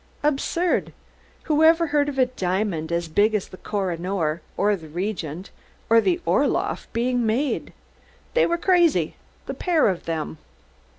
Absurd! Whoever heard of a diamond as big as the Koh i noor, or the Regent, or the Orloff being made? They were crazy the pair of them!